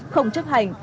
không chấp hành